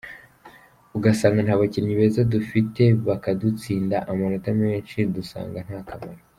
Ugasanga nta bakinnyi beza dufite bakadutsinda amanota menshi dusanga nta kamaro.